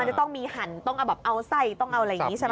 จะต้องมีหั่นต้องเอาแบบเอาไส้ต้องเอาอะไรอย่างนี้ใช่ไหม